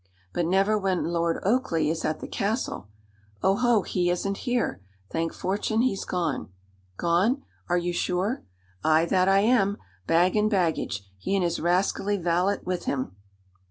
"But never when Lord Oakleigh is at the castle." "Oho, he isn't here! Thank fortune he's gone." "Gone! Are you sure?" "Aye, that I am bag and baggage he and his rascally valet with him."